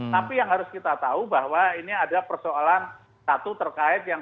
tapi yang harus kita tahu bahwa ini ada persoalan satu terkait yang